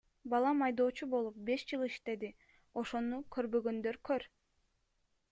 Балам айдоочу болуп, беш жыл иштеди, ошону көрбөгөндөр көр.